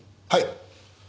はい。